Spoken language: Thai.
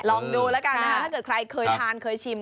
ลองดูแล้วกันนะคะถ้าเกิดใครเคยทานเคยชิม